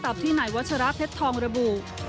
ตามที่ไหนวัชราเพชรทองระบุ